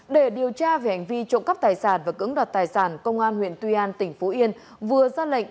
để điều tra về hành vi trộm cắp tài sản và cưỡng đoạt tài sản công an huyện tuy an tỉnh phú yên vừa ra lệnh